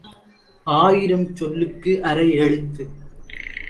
ஆயிரம் சொல்லுக்கு அரை எழுத்து.